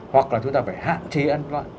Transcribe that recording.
hoặc là chúng ta phải hạn chế ăn loại